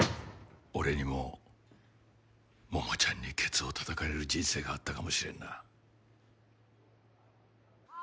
俺にも桃ちゃんにケツをたたかれる人生があったかもしれんな。